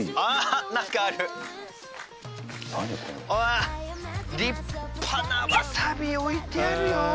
あっ立派なわさび置いてあるよ！